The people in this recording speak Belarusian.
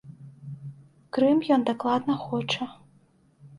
Крым ён дакладна хоча.